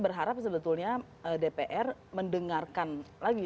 berharap sebetulnya dpr mendengarkan lagi